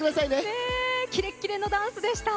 キレッキレのダンスでした。